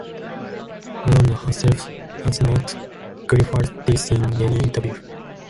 Madonna herself has not clarified this in any interview.